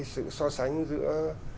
sự so sánh giữa